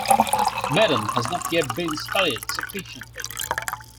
Medun has not yet been studied sufficiently.